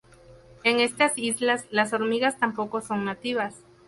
En estas islas las hormigas tampoco son nativas.